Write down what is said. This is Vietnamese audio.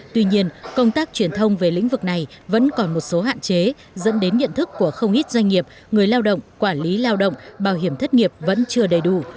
tuy nhiên công tác truyền thông về lĩnh vực này vẫn còn một số hạn chế dẫn đến nhận thức của không ít doanh nghiệp người lao động quản lý lao động bảo hiểm thất nghiệp vẫn chưa đầy đủ